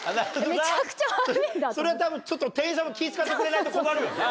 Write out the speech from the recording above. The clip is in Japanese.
それは多分ちょっと店員さんも気使ってくれないと困るよな。